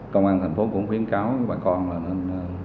công an thành phố cũng khuyến cáo bà con